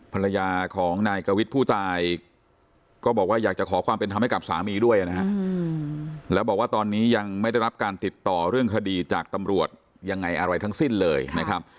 ภรรยาของนายกวิทย์ผู้ตายก็บอกว่าอยากจะขอความเป็นธรรมให้กับสามีด้วยนะฮะแล้วบอกว่าตอนนี้ยังไม่ได้รับการติดต่อเรื่องคดีจากตำรวจยังไงอะไรทั้งสิ้นเลยนะครับ